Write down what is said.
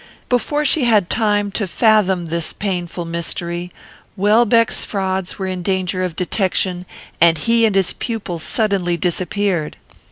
Before she had time to fathom this painful mystery, Welbeck's frauds were in danger of detection, and he and his pupil suddenly disappeared.